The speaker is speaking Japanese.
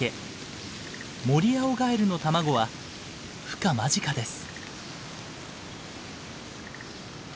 モリアオガエルの卵はふ化間近です。